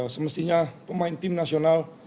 semestinya pemain tim nasional